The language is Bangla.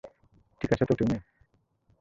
ঠিক আছো তো তুমি?